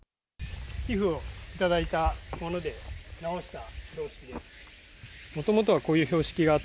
寄付を頂いたもので直した標識です。